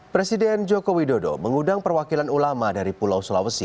presiden joko widodo mengundang perwakilan ulama dari pulau sulawesi